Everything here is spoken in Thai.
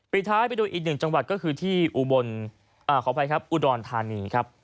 ปีท้ายไปดูอีกหนึ่งจังหวัดก็คือที่อุบลอุดรทนีครับ